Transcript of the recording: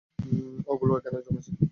ওগুলো এখানে জন্মেছে?